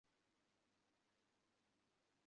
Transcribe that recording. আপনি চলে যান নিজাম ভাই।